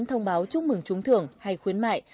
thông báo chúc mừng trúng thưởng hay khuyến mại